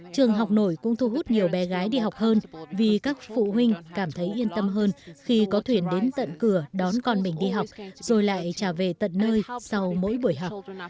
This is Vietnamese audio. trường học nổi cũng thu hút nhiều bé gái đi học hơn vì các phụ huynh cảm thấy yên tâm hơn khi có thuyền đến tận cửa đón con mình đi học rồi lại trả về tận nơi sau mỗi buổi học